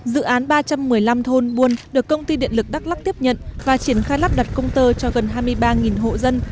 dự án ba trăm một mươi năm thôn buôn được công ty điện lực đắk lắc tiếp nhận và triển khai lắp đặt công tơ cho gần hai mươi ba hộ dân